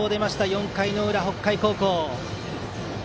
４回の裏、北海高校。